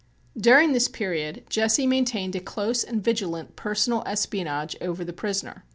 During this period Jesse maintained a close and vigilant personal espionage over the prisoner.